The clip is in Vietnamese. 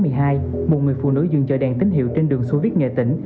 một người phụ nữ dựng chở đèn tín hiệu trên đường số viết nghệ tỉnh